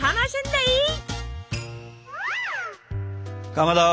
かまど。